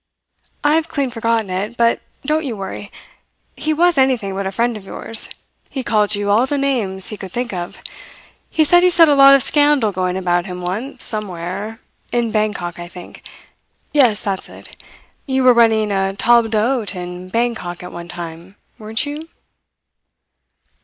I've clean forgotten it; but don't you worry. He was anything but a friend of yours. He called you all the names he could think of. He said you set a lot of scandal going about him once, somewhere in Bangkok, I think. Yes, that's it. You were running a table d'hote in Bangkok at one time, weren't you?"